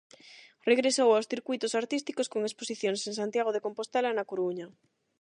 Regresou aos circuítos artísticos con exposicións en Santiago de Compostela e na Coruña.